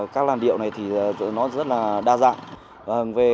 các làm điệu này thì nó rất là đa dạng